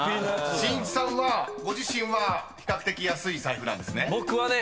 ［しんいちさんはご自身は比較的安い財布なんですね］